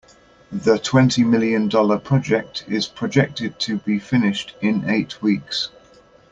The twenty million dollar project is projected to be finished in eight weeks.